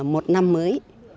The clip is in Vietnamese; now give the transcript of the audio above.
một năm mới